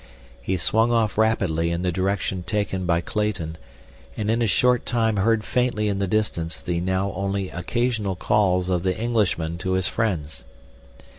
He swung off rapidly in the direction taken by Clayton, and in a short time heard faintly in the distance the now only occasional calls of the Englishman to his friends.